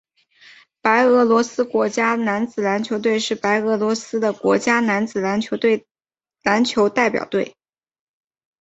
白俄罗斯国家男子篮球队是白俄罗斯的国家男子篮球代表队。